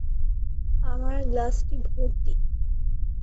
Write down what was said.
আমার গ্লাসটি ভরতি।